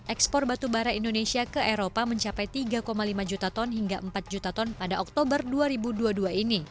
ekspor batubara indonesia ke eropa mencapai tiga lima juta ton hingga empat juta ton pada oktober dua ribu dua puluh dua ini